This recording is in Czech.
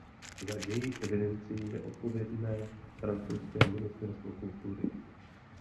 Za jejich evidenci je odpovědné francouzské ministerstvo kultury.